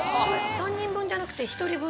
３人分じゃなくて１人分？